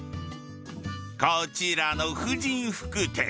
こちらの婦人服店！